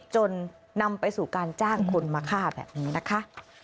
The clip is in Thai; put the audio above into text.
จนนำไปสู่การจ้างคนมาฆ่าแบบนี้นะคะ